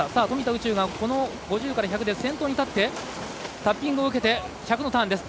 宇宙がこの５０から１００で先頭に立ってタッピングを受けて１００のターンです。